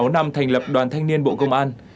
sáu mươi sáu năm thành lập đoàn thanh niên bộ công an